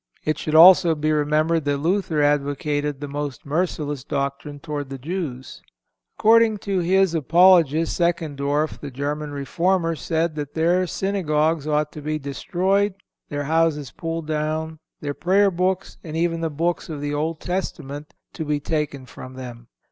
It should also be remembered that Luther advocated the most merciless doctrine towards the Jews. According to his apologist Seckendorf, the German Reformer said that their synagogues ought to be destroyed, their houses pulled down, their prayer books, and even the books of the Old Testament, to be taken from them.